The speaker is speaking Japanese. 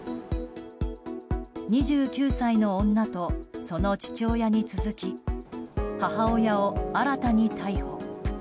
２９歳の女とその父親に続き母親を新たに逮捕。